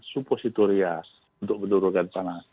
supositoria untuk menurunkan panas